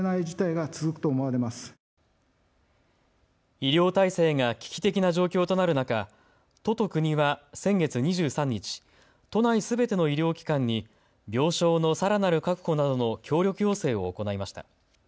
医療体制が危機的な状況となる中、都と国は先月２３日、都内すべての医療機関に病床のさらなる確保などの協力要請を行いました。